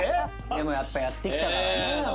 でもやっぱりやってきたからね。